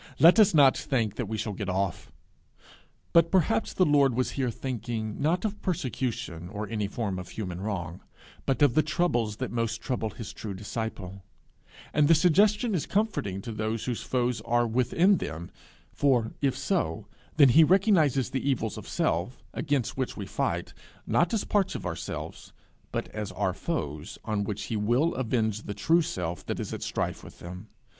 Let us not think that we shall get off! But perhaps the Lord was here thinking, not of persecution, or any form of human wrong, but of the troubles that most trouble his true disciple; and the suggestion is comforting to those whose foes are within them, for, if so, then he recognizes the evils of self, against which we fight, not as parts of ourselves, but as our foes, on which he will avenge the true self that is at strife with them.